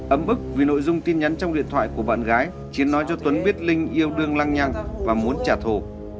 ấm bức vì nội dung tin nhắn trong điện thoại của bạn gái chiến nói cho tuấn biết linh yêu đương lăng và muốn trả thù